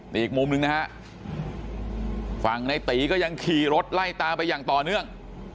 แต่อีกมุมหนึ่งนะฮะฝั่งในตีก็ยังขี่รถไล่ตามไปอย่างต่อเนื่อง